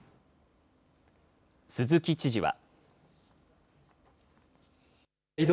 鈴木知事は。